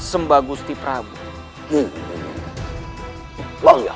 saya berusaha mengatuskanucekan grand sultan